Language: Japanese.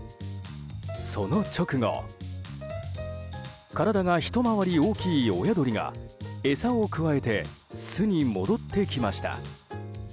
その直後体がひと回り大きい親鳥が餌をくわえて巣に戻ってきました。